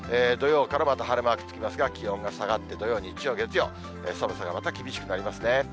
土曜からまた晴れマークつきますが、気温が下がって土曜、日曜、月曜、寒さがまた厳しくなりますね。